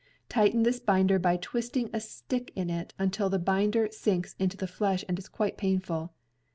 Tighten this binder by twisting a stick in it till the binder sinks into the flesh and is quite painful.